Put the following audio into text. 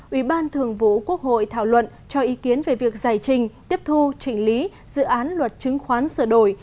ủy ban thường vụ quốc hội thảo luận cho ý kiến về việc giải trình tiếp thu chỉnh lý dự án luật chứng khoán sửa đổi